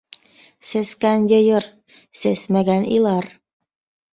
Сәскән йыйыр, сәсмәгән илар.